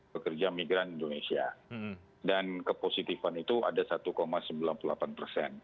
pekerja migran indonesia dan kepositifan itu ada satu sembilan puluh delapan persen